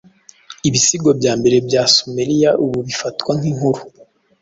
Ibisigo bya mbere bya Sumeriya ubu bifatwa nkinkuru